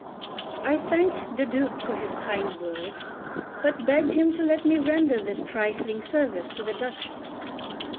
I thanked the Duke for his kind words, but begged him to let me render this trifling service to the Duchess.